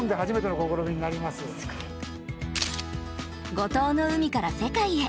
五島の海から世界へ。